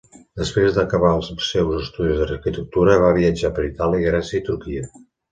Després d'acabar els seus estudis d'arquitectura va viatjar per Itàlia, Grècia i Turquia.